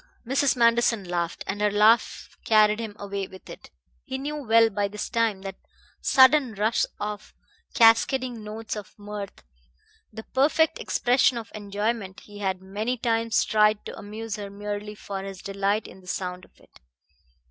Mrs. Manderson laughed, and her laugh carried him away with it. He knew well by this time that sudden rush of cascading notes of mirth, the perfect expression of enjoyment; he had many times tried to amuse her merely for his delight in the sound of it.